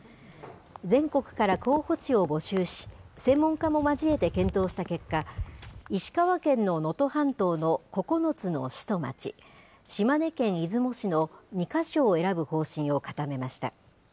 全国から候補地を募集し、専門家も交えて検討した結果、石川県の能登半島の９つの市と町、島根県出雲市の２か所を選ぶ方針を固めました。